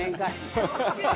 「ハハハハ！」